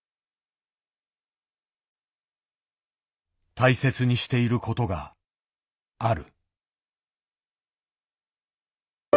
大切にしていることがある。